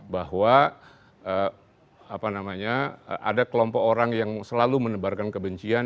bahwa ada kelompok orang yang selalu menebarkan kebencian